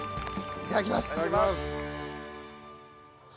いただきます。